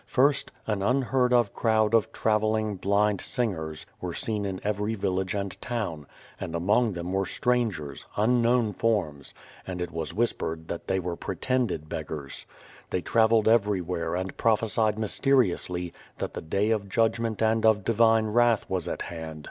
First, an unheard of crowd of travelling, blind singers were seen in every village and town; and among them were strangers, unknown forms, and it was whispered that they were pretended beggars. They travelled everywhere and prophesied mysteriously that the day of judgment and of divine wrath was at hand.